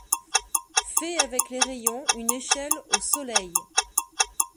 Fait avec les rayons une échelle au soleil.